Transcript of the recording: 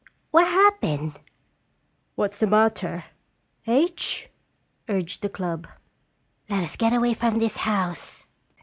"What happened?" "What's the matter, H ?" urged the club. "Let us get away from this house!"